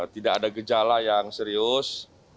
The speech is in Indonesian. tidak ada gejala yang serius